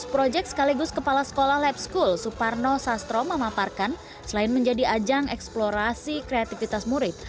lima belas project sekaligus kepala sekolah lab school suparno sastro memaparkan selain menjadi ajang eksplorasi kreativitas murid